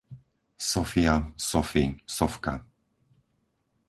Sofia, Sofi, Sofka